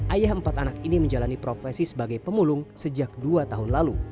ayah empat anak ini menjalani profesi sebagai pemulung sejak dua tahun lalu